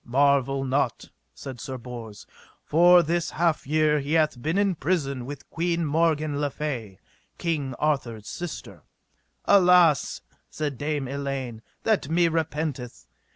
Marvel not, said Sir Bors, for this half year he hath been in prison with Queen Morgan le Fay, King Arthur's sister. Alas, said Dame Elaine, that me repenteth.